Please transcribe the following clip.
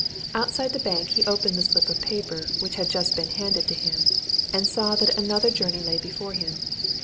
Outside the bank he opened the slip of paper which had just been handed to him, and saw that another journey lay before him.